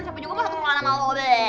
siapa juga pas satu sekolahan sama lo be